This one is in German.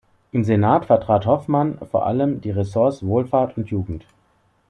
Im Senat vertrat Hoffmann vor allem die Ressorts Wohlfahrt und Jugend.